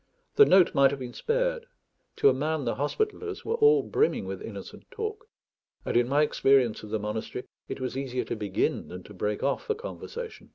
The note might have been spared; to a man the hospitallers were all brimming with innocent talk, and, in my experience of the monastery, it was easier to begin than to break off a conversation.